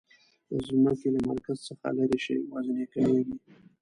د ځمکې له مرکز څخه لیرې شئ وزن یي کمیږي.